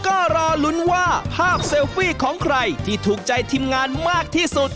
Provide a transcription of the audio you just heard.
ก็รอลุ้นว่าภาพเซลฟี่ของใครที่ถูกใจทีมงานมากที่สุด